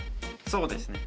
そうですね。